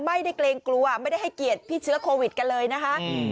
เกรงกลัวไม่ได้ให้เกียรติพี่เชื้อโควิดกันเลยนะคะ